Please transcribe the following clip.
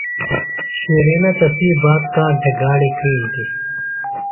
شِرینہ تسی بات کاݨ تھےۡ گاڑیۡ کرِینتی.